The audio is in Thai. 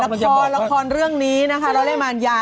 ละครละครเรื่องนี้นะคะเราได้มารยา